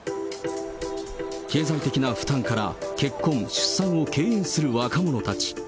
経済的な負担から、結婚、出産を敬遠する若者たち。